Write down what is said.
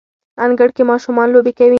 انګړ کې ماشومان لوبې کوي